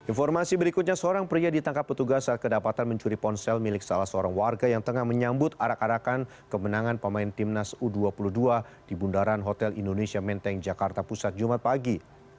informasi berikutnya seorang pria ditangkap petugas saat kedapatan mencuri ponsel milik salah seorang warga yang tengah menyambut arak arakan kemenangan pemain timnas u dua puluh dua di bundaran hotel indonesia menteng jakarta pusat jumat pagi